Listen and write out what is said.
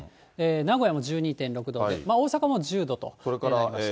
名古屋も１２．６度で、大阪も１０度となりました。